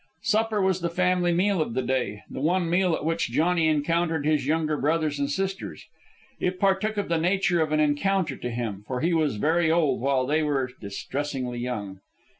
Supper was the family meal of the day the one meal at which Johnny encountered his younger brothers and sisters. It partook of the nature of an encounter, to him, for he was very old, while they were distressingly young.